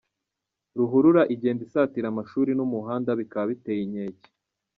Ruhurura igenda isatira amashuri n’umuhanda bikaba biteye inkenke